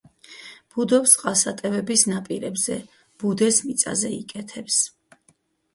ბუდობს წყალსატევების ნაპირებზე, ბუდეს მიწაზე იკეთებს.